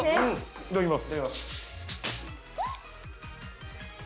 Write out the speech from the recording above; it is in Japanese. ◆いただきます。